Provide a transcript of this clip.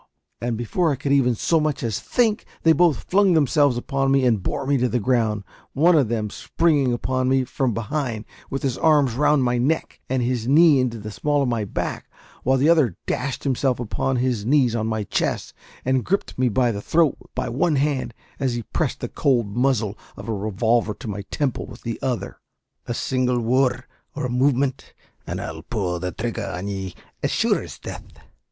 and, before I could even so much as think, they both flung themselves upon me and bore me to the ground, one of them springing upon me from behind, with his arms round my neck and his knee into the small of my back, while the other dashed himself upon his knees on my chest, and gripped me by the throat by one hand, as he pressed the cold muzzle of a revolver to my temple with the other. "A single worrud or a movement, and I'll pull the thrigger on ye, as sure as death!"